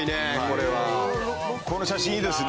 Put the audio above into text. この写真いいですね